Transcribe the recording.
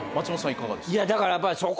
いかがですか？